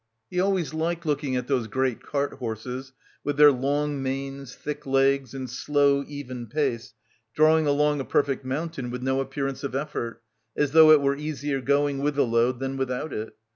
He always liked looking at those great cart horses, with their long manes, thick legs, and slow even pace, drawing along a perfect mountain with no appearance of effort, as though it were easier going with a load than without it.